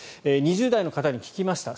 ２０代の方に聞きました